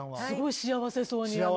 すごい幸せそうに。